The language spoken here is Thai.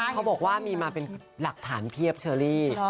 เขาบอกว่ามีมาเป็นหลักฐานเพียบเชอรี่